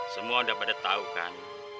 semua udah pada tahu kan